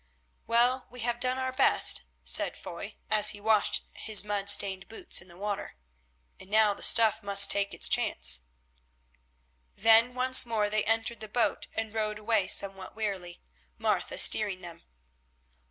"Well, we have done our best," said Foy, as he washed his mud stained boots in the water, "and now the stuff must take its chance." Then once more they entered the boat and rowed away somewhat wearily, Martha steering them.